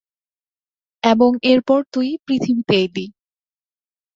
এবং এরপর তুই পৃথিবীতে এলি।